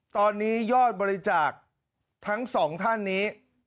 ตอนนี้ยอดบริจาคทั้งสองท่านนี้